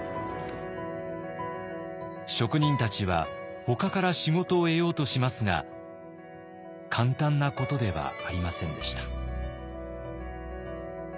職人たちはほかから仕事を得ようとしますが簡単なことではありませんでした。